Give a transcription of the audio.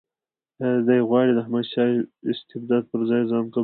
آیا دی غواړي د احمدشاه استبداد پر ځان قبول کړي.